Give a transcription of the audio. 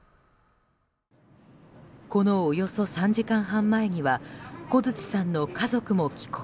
このおよそ３時間半前には小槌さんの家族も帰国。